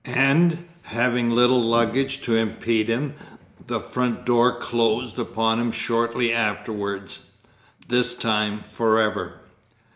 And, having little luggage to impede him, the front door closed upon him shortly afterwards this time for ever.